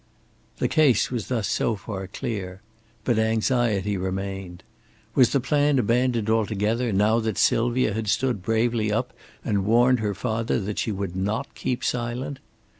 '" The case was thus so far clear. But anxiety remained. Was the plan abandoned altogether, now that Sylvia had stood bravely up and warned her father that she would not keep silent?